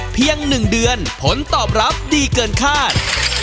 เพียง๑เดือนผลตอบรับดีเกินคาด